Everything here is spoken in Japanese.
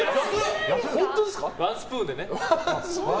ワンスプーンでね。